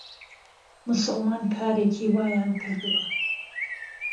موسوڵمان کاریکی وایان کردووه